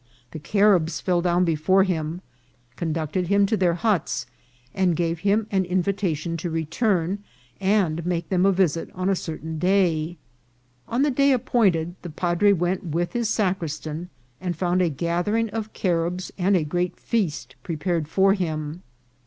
The Ca PREPARATIONS FOR HOUSEKEEPING. 287 ribs fell down before him, conducted him to their huts, and gave him an invitation to return, and make them a visit on a certain day. On the day appointed the padre went with his sacristan, and found a gathering of Caribs and a great feast prepared for him.